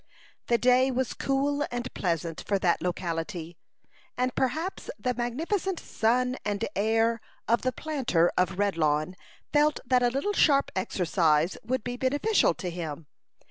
The day was cool and pleasant for that locality, and perhaps the magnificent son and heir of the planter of Redlawn felt that a little sharp exercise would be beneficial to him.